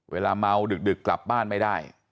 เวลาเมาดึกกลับบ้านไม่ได้